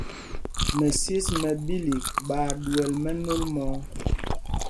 Mɛsyes mɛ ɓīlīk ɓaa ɗuɛl mɛnôl mɔ̄ɔ̄.